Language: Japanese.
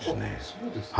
そうですか。